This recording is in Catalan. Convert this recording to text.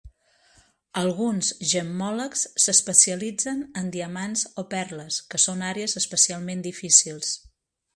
Alguns gemmòlegs s'especialitzen en diamants o perles, que són àrees especialment difícils.